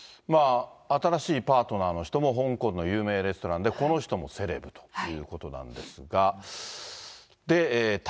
新しいパートナーの人も香港の有名レストランで、この人もセレブということなんですが。